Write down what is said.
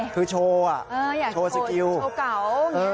คือโชว์โชว์สกิลโชว์เก่า